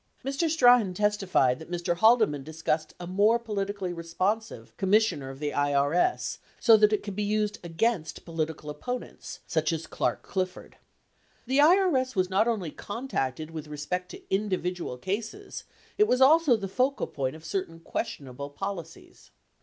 72 Mr. Strachan testified that Mr. Haldeman discussed a more politically responsive commissioner of the IRS so that it could be used against political opponents such as Clark Clifford. 73 The IRS was not only contacted with respect to individual cases, it was also the focal point of certain questionable policies.